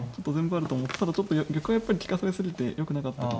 ただちょっと玉はやっぱり利かされ過ぎてよくなかった気が。